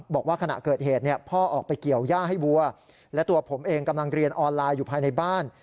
บอกว่าขณะเกิดเหตุพ่อออกไปเกี่ยวย่าให้วัวและตัวผมเองกำลังเรียนออนไลน์อยู่ภายในบ้าน